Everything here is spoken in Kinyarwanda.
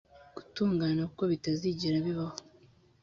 gutungana kuko bitazigera bibaho